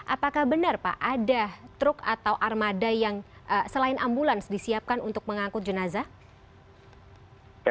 apakah benar pak ada truk atau armada yang selain ambulans disiapkan untuk mengangkut jenazah